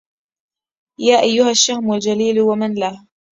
يا أيها الشهم الجليل ومن له